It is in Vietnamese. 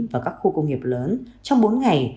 và các khu công nghiệp lớn trong bốn ngày